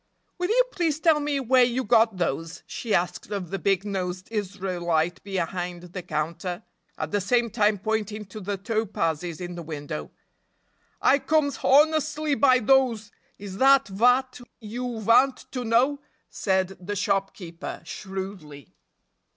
"Will you please tell me where you got those?" she asked of the big nosed Israelite behind the counter, at the same time pointing to the topazes in the window. "I comes honestly by doze, is dat vat you vant to know?" said the shopkeeper, shrewdly.